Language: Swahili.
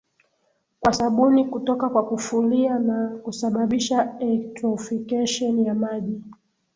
kwa sabuni kutoka kwa kufulia na kusababisha eutrophication ya maji